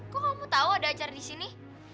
kok kamu tau ada acara di sini